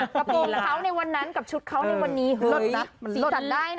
กระโปรงเขาในวันนั้นกับชุดเขาในวันนี้หลดละ